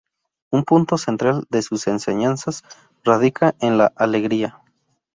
Un punto central de sus enseñanzas radica en la alegría.